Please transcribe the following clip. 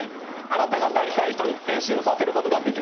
あなたがなりたい人に変身させることができるんですね。